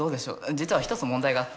実は一つ問題があって。